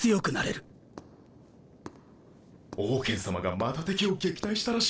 ・オウケンさまがまた敵を撃退したらしいな。